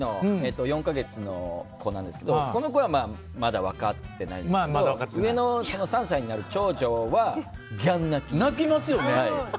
子供は、まだ生まれたばかりの４か月の子なんですけどこの子はまだ分かってないんですけど上の３歳になる長女はギャン泣き。